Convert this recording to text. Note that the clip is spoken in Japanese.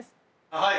はい。